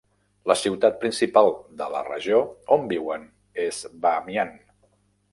La ciutat principal de la regió on viuen és Bamian.